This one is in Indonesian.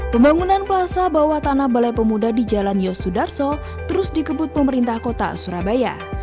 pembangunan plaza bawah tanah di gedung balai pemuda terus dikebut pemerintah kota surabaya